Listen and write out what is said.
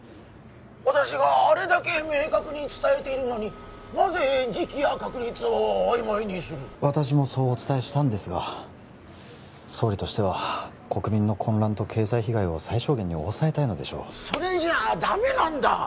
私があれだけ明確に伝えているのになぜ時期や確率を曖昧にする私もそうお伝えしたんですが総理としては国民の混乱と経済被害を最小限に抑えたいのでしょうそれじゃダメなんだ！